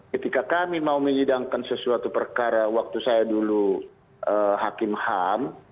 ketika kami mau menyidangkan sesuatu perkara waktu saya dulu hakim ham